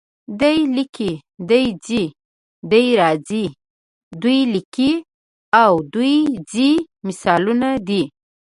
دی لیکي، دی ځي، دی راځي، دوی لیکي او دوی ځي مثالونه دي.